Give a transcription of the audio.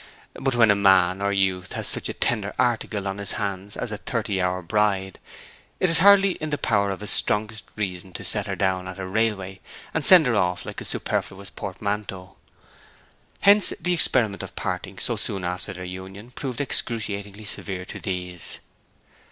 But when a man or youth has such a tender article on his hands as a thirty hour bride it is hardly in the power of his strongest reason to set her down at a railway, and send her off like a superfluous portmanteau. Hence the experiment of parting so soon after their union proved excruciatingly severe to these.